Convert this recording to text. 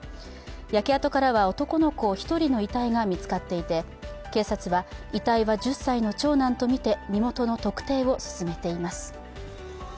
焼け跡からは男の子１人の遺体が見つかっていて警察は遺体は１０歳の長男とみて身元の特定を進めています。